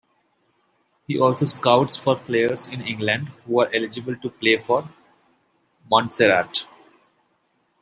He also scouts for players in England who are eligible to play for Montserrat.